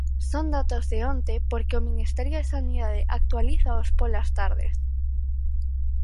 Son datos de onte, porque o Ministerio de Sanidade actualízaos polas tardes.